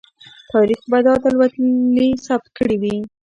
تاریخ به دا اتلولي ثبت کړې وي.